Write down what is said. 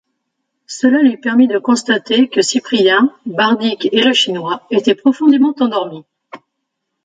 Cela lui permit de constater que Cyprien, Bardik et le Chinois étaient profondément endormis.